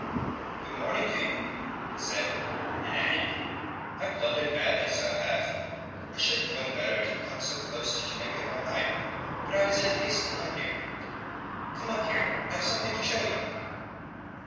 "Good morning to you," he said, and added "I've blundered badly, so I have. I should have known better than to come so close to Jamaica by night. But I was in haste to land you. Come up here. I have something to show you."